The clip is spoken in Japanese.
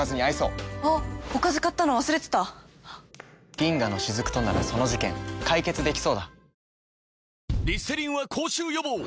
「銀河のしずく」とならその事件解決できそうだ